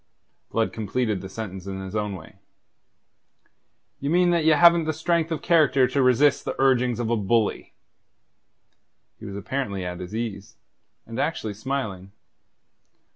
Blood completed the sentence in his own way: "Ye mean that ye haven't the strength of character to resist the urgings of a bully." He was apparently at his ease, and actually smiling.